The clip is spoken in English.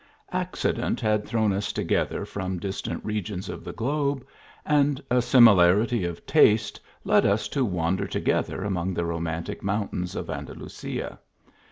Accident had thrown us to gether from distant regions of the globe, and a simi larity of taste led us to wander together among the romantic mountains of Andalusia.